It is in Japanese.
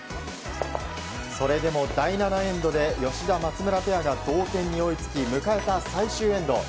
それでも第７エンドで吉田、松村ペアが同点に追いつき迎えた最終エンド。